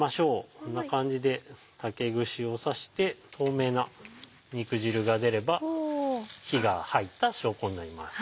こんな感じで竹串を刺して透明な肉汁が出れば火が入った証拠になります。